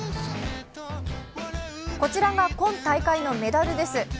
こちらが今大会のメダルです。